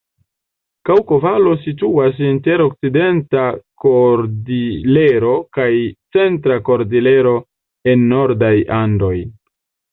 Kaŭko-Valo situas inter Okcidenta Kordilero kaj Centra Kordilero en nordaj Andoj.